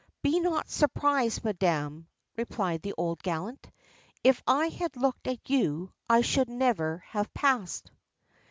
"Be not surprised, Madam," replied the old gallant; "if I had looked at you I should never have passed."